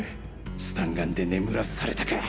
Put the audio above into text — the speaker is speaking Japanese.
スタンガンで眠らされたか。